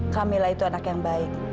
kamilah itu anak yang baik